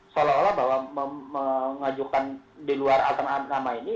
seolah olah bahwa mengajukan di luar alternatif nama ini